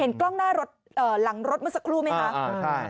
เห็นกล้องหน้ารถเอ่อหลังรถเมื่อสักครู่ไหมค่ะอ่าใช่